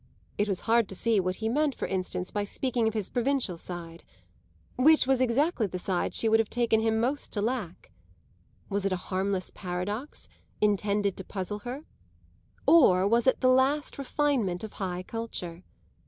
It was hard to see what he meant for instance by speaking of his provincial side which was exactly the side she would have taken him most to lack. Was it a harmless paradox, intended to puzzle her? or was it the last refinement of high culture?